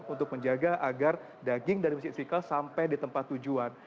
untuk menjaga agar daging dari masjid istiqlal sampai di tempat tujuan